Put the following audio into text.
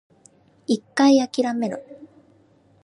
一回諦める